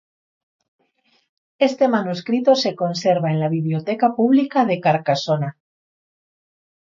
Este manuscrito se conserva en la biblioteca pública de Carcasona.